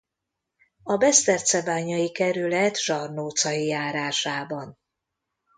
A Besztercebányai kerület Zsarnócai járásában.